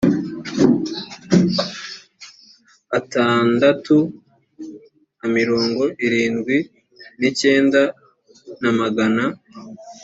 atandatu na mirongo irindwi n icyenda na magana